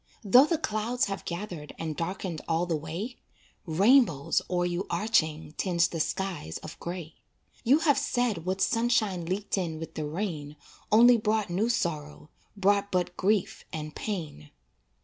Though the clouds have gathered And darkened all the way, Rainbows o'er you arching Tinge the skies of gray. You have said what sunshine Leaked in with the rain Only brought new sorrow, Brought but grief and pain.